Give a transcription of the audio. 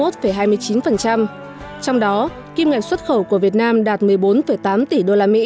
trong đó kim ngạch xuất khẩu của việt nam đạt một mươi bốn tám tỷ usd